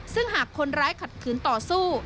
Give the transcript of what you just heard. ซึ่งหากคนร้ายขัดขืนต่อสู้